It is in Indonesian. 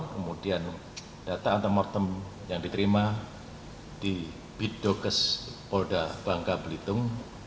kemudian data antemortem yang diterima di bidokes polda bangka belitung